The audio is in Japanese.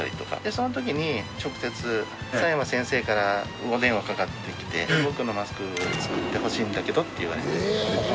そのときに直接佐山先生からお電話かかってきて僕のマスク作ってほしいんだけどって言われて。